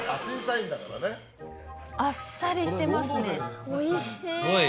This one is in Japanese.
あっさりしてますねおいしい。